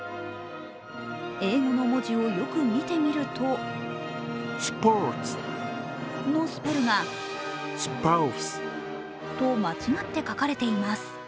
英語の文字をよく見てみると「Ｓｐｏｒｔｓ」のスペルが「Ｓｐｏｕｓｅ」と間違って書かれています。